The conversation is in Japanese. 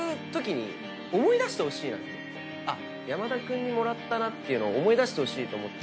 「山田君にもらった」っていうのを思い出してほしいと思って。